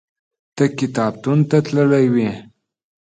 ته کتابتون ته تللی وې؟